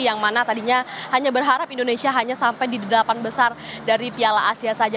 yang mana tadinya hanya berharap indonesia hanya sampai di delapan besar dari piala asia saja